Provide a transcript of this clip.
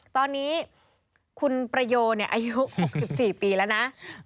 ตอนนี้คุณประโยอายุ๖๔ปีแล้วนะ